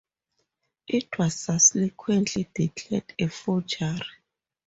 It was subsequently declared a forgery.